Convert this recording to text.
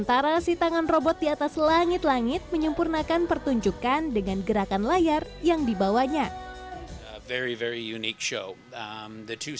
tapi juga memiliki panggilan dua ratus tujuh puluh derajat di belakang yang disebut vistarama